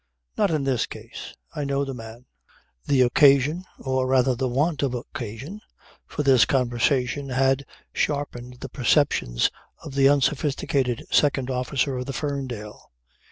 "Not in this case. I know the man." The occasion, or rather the want of occasion, for this conversation, had sharpened the perceptions of the unsophisticated second officer of the Ferndale.